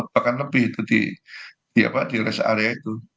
bahkan lebih itu di rest area itu